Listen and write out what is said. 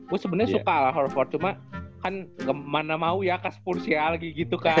gue sebenernya suka al horford cuma kan kemana mau ya kasih spurs ya lagi gitu kan